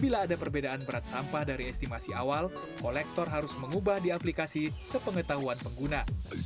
bila ada perbedaan berat sampah dari estimasi awal kolektor harus mengubah di aplikasi sepengetahuan pengguna